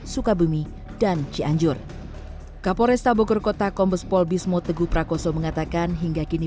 sukabumi dan cianjur kapolres tabogor kota kombes pol bismo teguh prakoso mengatakan hingga kini